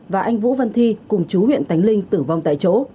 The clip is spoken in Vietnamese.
và anh vũ văn thi cùng chú huyện tánh linh tử vong tại chỗ